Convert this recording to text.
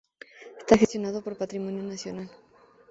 Está gestionado por Patrimonio Nacional.